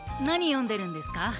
なによんでるんですか？